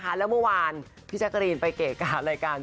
ซึ่งเพื่อนก็เธอมาเมื่อวานพี่เจ้ากะลีนไปเก๋กากหาดลายการ